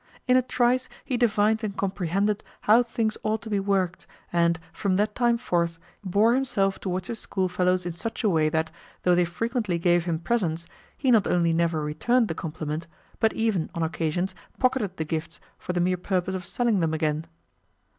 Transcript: In a trice he divined and comprehended how things ought to be worked, and, from that time forth, bore himself towards his school fellows in such a way that, though they frequently gave him presents, he not only never returned the compliment, but even on occasions pocketed the gifts for the mere purpose of selling them again.